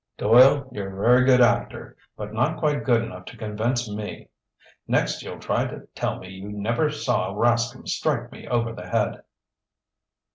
"Doyle, you're a very good actor, but not quite good enough to convince me. Next you'll try to tell me you never saw Rascomb strike me over the head."